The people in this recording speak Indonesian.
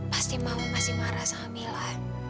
pasti mama masih marah sama mila